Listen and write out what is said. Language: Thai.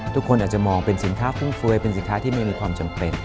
ทุกคนอาจจะมองเป็นสินค้าฟุ่มเฟือยเป็นสินค้าที่ไม่มีความจำเป็น